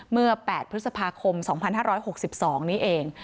เมื่อ๘พฤษภาคม๒๕๖๒นี้เอง